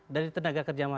dari tenaga kerja mana